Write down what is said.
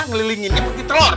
ngelilinginnya seperti telur